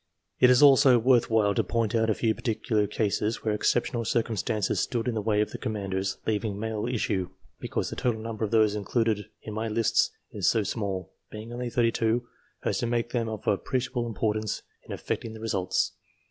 It is also worth while to point out a few particular cases where exceptional circumstances stood in the way of the Commanders leaving male issue, because the total number of those included in my lists is so small, being only 32, as to make them of appreciable importance in affecting the results.